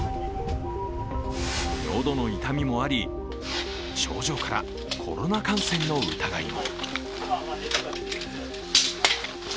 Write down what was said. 喉の痛みもあり、症状からコロナ感染の疑いも。